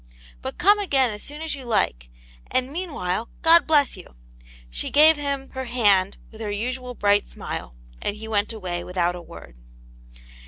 But come again as soon as you like, and meanwhile, God bless you!" She gave him her hand with her usual bright smile, and he went away without a word.